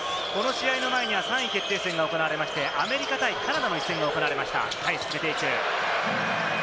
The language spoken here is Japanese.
この試合の前に３位決定戦が行われて、アメリカ対カナダの一戦が行われました。